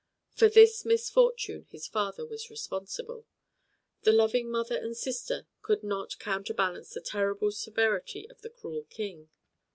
For this misfortune his father was responsible. The loving mother and sister could not counterbalance the terrible severity of the cruel King.